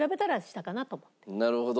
なるほど。